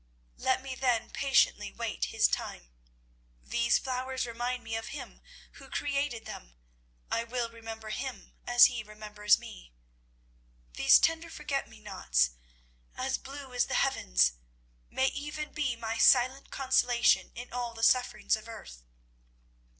Let me then patiently wait His time. These flowers remind me of Him who created them. I will remember Him as He remembers me. "These tender forget me nots, as blue as the heavens, may even be my silent consolation in all the sufferings of earth.